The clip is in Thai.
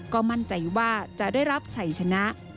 ก็มั่นใจว่าจะได้รับชัยชนะ